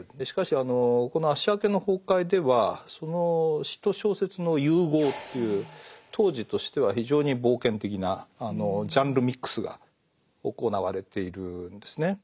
しかしこの「アッシャー家の崩壊」ではその詩と小説の融合という当時としては非常に冒険的なジャンルミックスが行われているんですね。